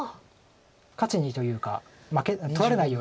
勝ちにというか取られないように。